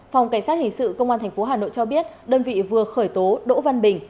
phòng cảnh sát hình sự công an tp hà nội cho biết đơn vị vừa khởi tố đỗ văn bình